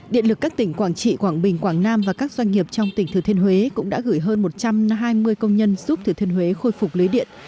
điện lực các tỉnh quảng trị quảng bình quảng nam và các doanh nghiệp trong tỉnh thừa thiên huế cũng đã gửi hơn một trăm hai mươi công nhân giúp thừa thiên huế khôi phục lưới điện